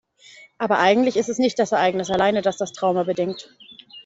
Aber eigentlich ist es nicht das Ereignis alleine, das das Trauma bedingt.